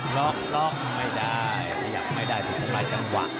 ลอกไม่ได้ขยับไม่ได้ถึงหลายจังหวะ